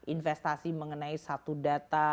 investasi mengenai satu data